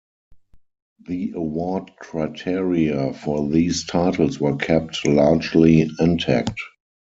The award criteria for these titles were kept largely intact.